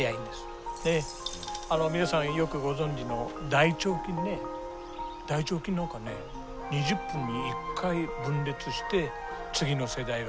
で皆さんよくご存じの大腸菌ね大腸菌なんかね２０分に一回分裂して次の世代が生まれるんですよ。